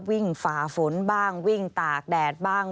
ฝ่าฝนบ้างวิ่งตากแดดบ้าง